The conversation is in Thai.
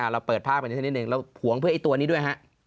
เราเปิดภาพกันสักนิดหนึ่งเราหวงเพื่ออีกตัวนี้ด้วย